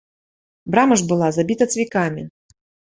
Брама ж была забіта цвікамі.